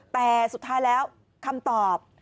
แต่สุดท้ายแล้วคำตอบ